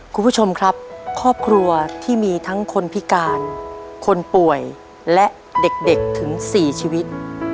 คุณผู้ชมครับครอบครัวที่มีทั้งคนพิการคนป่วยและเด็กถึง๔ชีวิต